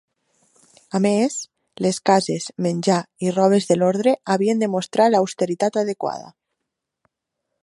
A més, les cases, menjar i robes de l'orde havien de mostrar l'austeritat adequada.